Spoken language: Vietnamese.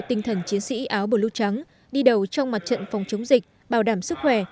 tinh thần chiến sĩ áo bồ lút trắng đi đầu trong mặt trận phòng chống dịch bảo đảm sức khỏe